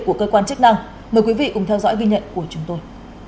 của cơ quan chức năng mời quý vị cùng theo dõi ghi nhận của chúng tôi